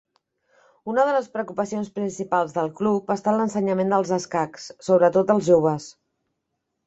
Una de les preocupacions principals del Club ha estat l'ensenyament dels escacs, sobretot als joves.